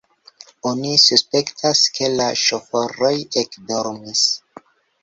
Oni suspektas, ke la ŝoforoj ekdormis.